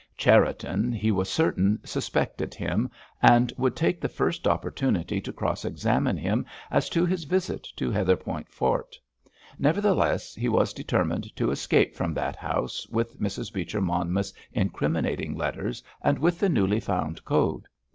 Cherriton, he was certain, suspected him, and would take the first opportunity to cross examine him as to his visit to Heatherpoint Fort. Nevertheless, he was determined to escape from that house with Mrs. Beecher Monmouth's incriminating letters, and with the newly found code.